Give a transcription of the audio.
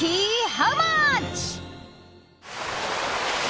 ハウマッチ！